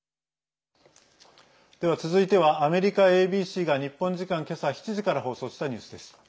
では、続いてはアメリカＡＢＣが日本時間、今朝７時から放送したニュースです。